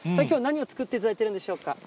きょうは何を作っていただいてるんでしょうか。